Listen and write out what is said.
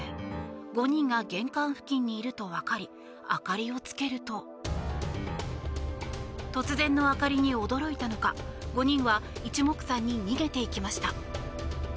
５人が玄関付近にいると分かり明かりをつけると突然の明かりに驚いたのか５人は一目散に逃げていきました。